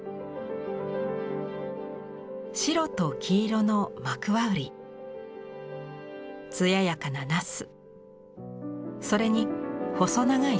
白と黄色のマクワウリ艶やかなナスそれに細長いササゲ。